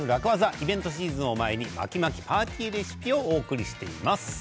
イベントシーズンを前に巻き巻きパーティーレシピをお送りしています。